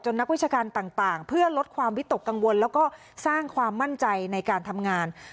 นักวิชาการต่างเพื่อลดความวิตกกังวลแล้วก็สร้างความมั่นใจในการทำงาน